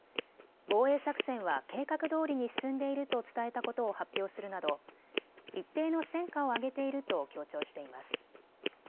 防衛作戦は計画どおりに進んでいると伝えたことを発表するなど一定の戦果を上げていると強調しています。